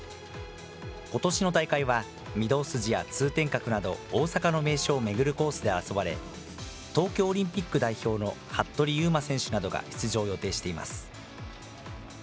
ことしの大会は、御堂筋や通天閣など大阪の名所を巡るコースで争われ、東京オリンピック代表の服部勇馬選手などが出場を予定しています。